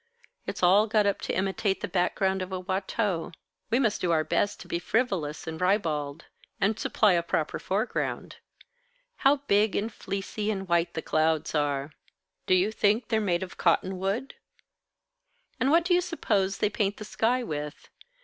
It's all got up to imitate the background of a Watteau. We must do our best to be frivolous and ribald, and supply a proper foreground. How big and fleecy and white the clouds are. Do you think they're made of cotton wood? And what do you suppose they paint the sky with?